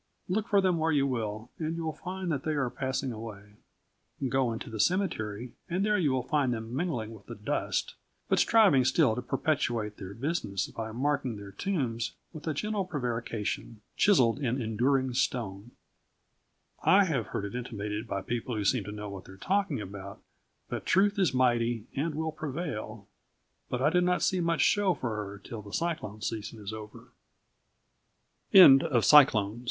Look for them where you will and you will find that they are passing away. Go into the cemetery and there you will find them mingling with the dust, but striving still to perpetuate their business by marking their tombs with a gentle prevarication, chiseled in enduring stone. I have heard it intimated by people who seemed to know what they were talking about that truth is mighty and will prevail, but I do not see much show for her till the cyclone season is over. THE EARTH.